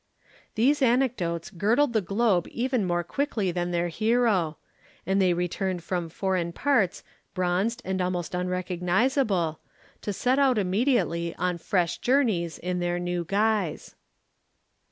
These anecdotes girdled the globe even more quickly than their hero, and they returned from foreign parts bronzed and almost unrecognizable, to set out immediately on fresh journeys in their new guise.